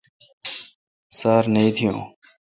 سار نہ اتییون۔